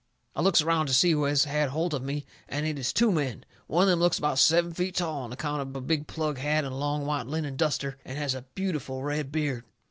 I looks around to see who has had holt of me, and it is two men. One of them looks about seven feet tall, on account of a big plug hat and a long white linen duster, and has a beautiful red beard.